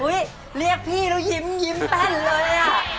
เฮ้ยเรียกพี่แล้วยิ้มเป้นเลย